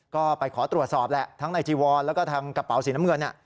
ก็ไปขอตรวจสอบแหละทั้งในจีวอนแล้วก็ทางกระเป๋าสีน้ำเงิน